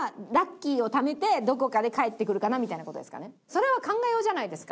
それは考えようじゃないですか。